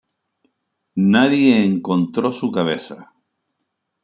Nadie encontro su cabeza.